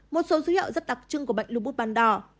một số dữ hiệu rất đặc trưng của bệnh lưu bút bắt đỏ